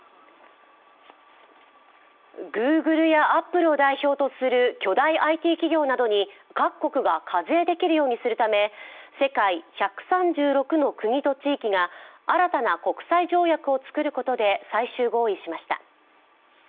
Ｇｏｏｇｌｅやアップルを代表とする巨大ＩＴ企業などに各国が課税できるようにするため世界１３６の国と地域が新たな国際条約を作ることで最終合意しました。